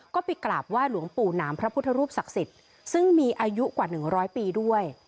ก็ไปกราบไหว้หลวงปู่หนามพระพุทธรูปศักดิ์สิทธิ์ซึ่งมีอายุกว่า๑๐๐ปีด้วย